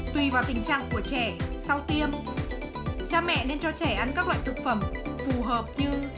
tùy vào tình trạng của trẻ sau tiêm cha mẹ nên cho trẻ ăn các loại thực phẩm phù hợp như